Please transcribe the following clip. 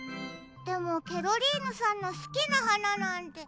でもケロリーヌさんのすきなはななんて。